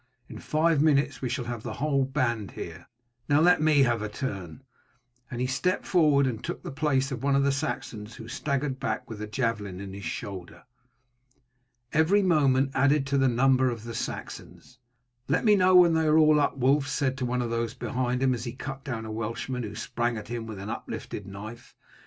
In five minutes we shall have the whole band here. Now let me have a turn;" and he stepped forward and took the place of one of the Saxons who staggered back with a javelin in his shoulder. Every moment added to the number of the Saxons. "Let me know when they are all up," Wulf said to one of those behind him, as he cut down a Welshman who sprang at him with uplifted knife.